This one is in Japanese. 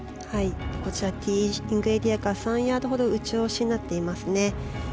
ティーイングエリアから３ヤードほど打ち下ろしになっていますね。